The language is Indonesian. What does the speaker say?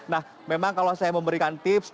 nah memang kalau saya memberikan tips